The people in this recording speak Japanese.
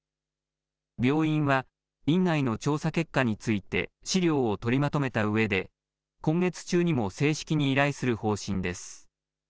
病院は院内の調査結果について、資料を取りまとめたうえで、今月中にも正式に依頼する方針です。